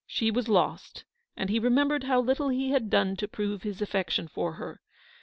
She was lost, and he remembered how little he had done to prove his affection for her.